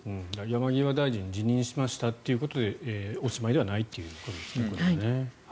山際大臣辞任しましたということでおしまいということではないということですね。